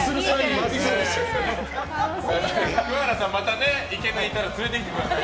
桑原さん、またイケメンいたら連れてきてください。